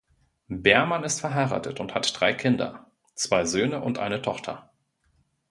Beermann ist verheiratet und hat drei Kinder, zwei Söhne und eine Tochter.